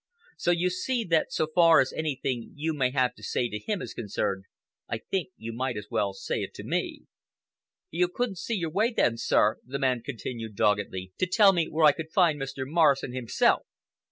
So you see that so far as anything you may have to say to him is concerned, I think you might as well say it to me." "You couldn't see your way, then, sir," the man continued doggedly, "to tell me where I could find Mr. Morrison himself?"